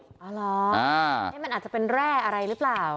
อ๋อเหรอนี่มันอาจจะเป็นแร่อะไรหรือเปล่า